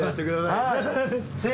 はい。